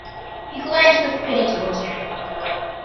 He glanced with pity towards Harry.